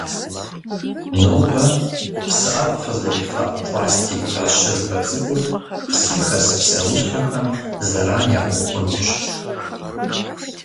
Нобэ псыӏэф фызэрефа пластик бащырбэ цӏыкур, псым хэс псуэщхьэхэм заран яхуэхъунущ.